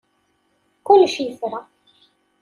Kullec yefra.